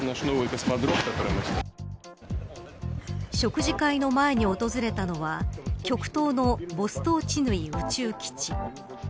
食事会の前に訪れたのは極東のボストーチヌイ宇宙基地。